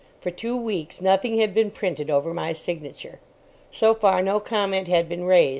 For two weeks nothing had been printed over my signature. So far no comment had been raised.